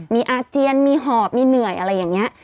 มีอาเจียนมีหอบมีเหนื่อยอะไรอย่างนี้